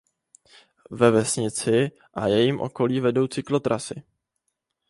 Ve vesnici a jejím okolí vedou cyklotrasy.